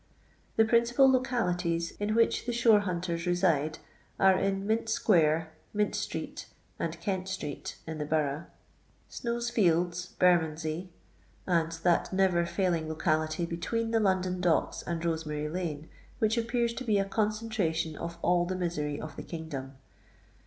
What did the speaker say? The principal localities in which the shore hunters reside are in Mint square, Mint street, and Kent street, in the Borouuh— Snow's fields, Bermondsey — and that never failing locality be tween the London Docks and Eoscroarv Iane which appears to be a concentration of all the misery ot the kingdom.